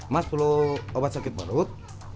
mas perlu obat sakit perut